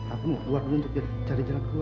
aku mau keluar dulu untuk cari jalan keluar